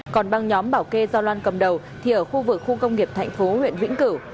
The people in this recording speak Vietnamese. còn băng nhóm bảo kê do loan cầm đầu thì ở khu vực khu công nghiệp thành phố huyện vĩnh cử